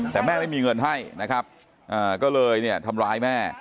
แต่แม่ไม่มีเงินให้นะครับก็เลยเนี่ยทำร้ายแม่